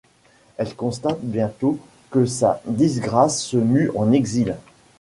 Elle constate bientôt que sa disgrâce se mue en exil.